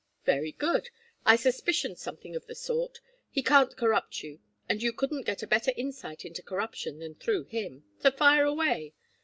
"Very good. I suspicioned something of the sort. He can't corrupt you, and you couldn't get a better insight into corruption than through him; so fire away.